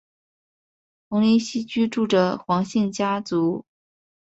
宏琳厝居住着黄姓家族。